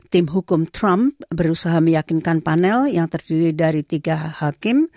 tim hukum trump berusaha meyakinkan panel yang terdiri dari tiga hakim